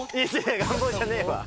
願望じゃねえわ。